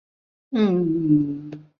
我倒是觉得重要